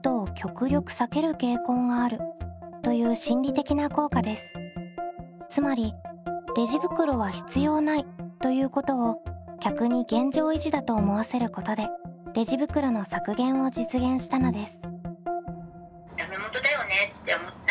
デフォルト効果とはつまりレジ袋は必要ないということを客に現状維持だと思わせることでレジ袋の削減を実現したのです。